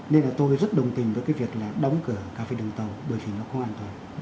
nên là tôi rất đồng tình với cái việc là đóng cửa cà phê đường tàu bởi vì nó không an toàn